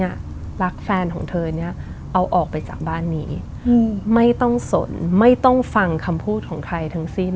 รักแฟนของเธอเนี่ยเอาออกไปจากบ้านนี้ไม่ต้องสนไม่ต้องฟังคำพูดของใครทั้งสิ้น